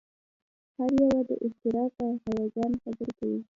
هر یو د اختراع په هیجان خبرې کولې